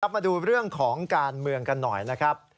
มาดูเรื่องของการเมืองกันหน่อยนะครับ